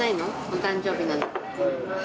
お誕生日なのに。